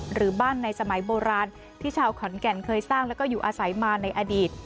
หรือบ้านในสมัยโบราณที่ชาวขอนแก่นเคยสร้างแล้วก็อยู่อาศัยมาในอดีต